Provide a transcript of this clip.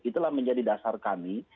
itulah menjadi dasar kami